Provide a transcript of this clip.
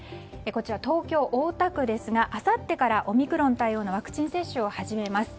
東京・大田区ですがあさってからオミクロン対応のワクチン接種を始めます。